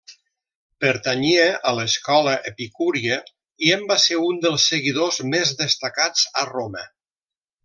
Pertanyia a l'escola epicúria, i en va ser un dels seguidors més destacats a Roma.